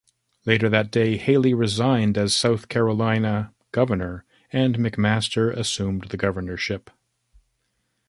Later that day, Haley resigned as South Carolina governor and McMaster assumed the governorship.